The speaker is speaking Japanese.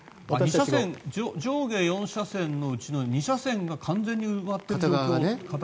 上下４車線のうちの２車線が完全に埋まっている状況。